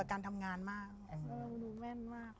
ดูแม่นมากเลย